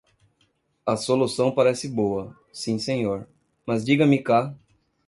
A solução parece boa, sim senhor. Mas diga-me cá